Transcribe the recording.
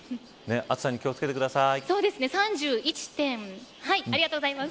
暑さに気を付けてください。